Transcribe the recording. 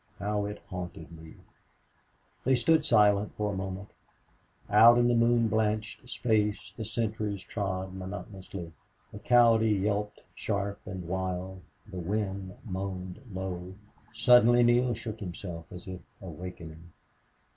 How it haunted me!" They stood silent for a while. Out in the moon blanched space the sentries trod monotonously. A coyote yelped, sharp and wild. The wind moaned low. Suddenly Neale shook himself, as if awakening.